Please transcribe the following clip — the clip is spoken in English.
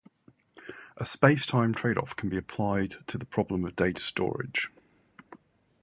A space-time tradeoff can be applied to the problem of data storage.